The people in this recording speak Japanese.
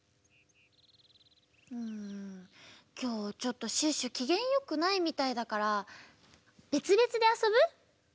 うんきょうちょっとシュッシュきげんよくないみたいだからべつべつであそぶ？